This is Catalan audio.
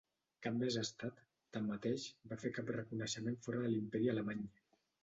Cap més estat, tanmateix, va fer cap reconeixement fora de l'Imperi alemany.